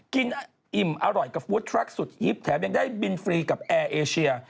อิ่มอร่อยกับฟู้ดทรัคสุดฮิปแถมยังได้บินฟรีกับแอร์เอเชีย